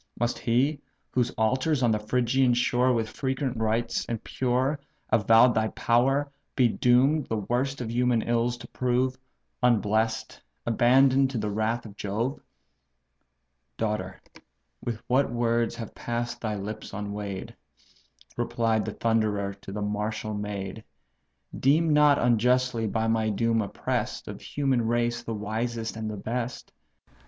Must he, whose altars on the Phrygian shore With frequent rites, and pure, avow'd thy power, Be doom'd the worst of human ills to prove, Unbless'd, abandon'd to the wrath of Jove?" "Daughter! what words have pass'd thy lips unweigh'd! (Replied the Thunderer to the martial maid;) Deem not unjustly by my doom oppress'd, Of human race the wisest and the best.